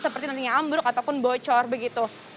seperti nantinya ambruk ataupun bocor begitu